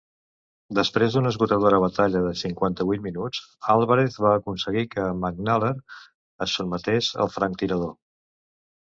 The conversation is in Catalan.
Després d'una esgotadora batalla de cinquanta-vuit minuts, Alvarez va aconseguir que McNaler es sotmetés al franctirador.